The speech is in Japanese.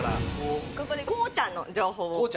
ここでこうちゃんの情報を。